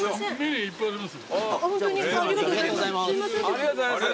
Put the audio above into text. ありがとうございます。